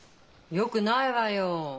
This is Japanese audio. よくないわよ。